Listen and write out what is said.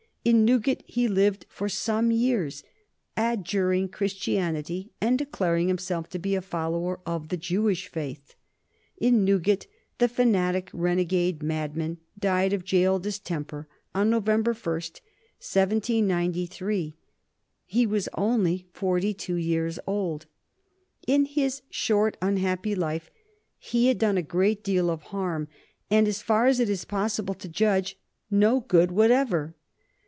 In Newgate he lived for some years, adjuring Christianity, and declaring himself to be a follower of the Jewish faith. In Newgate the fanatic, renegade, madman, died of jail distemper on November 1, 1793. He was only forty two years old. In his short, unhappy life he had done a great deal of harm, and, as far as it is possible to judge, no good whatever.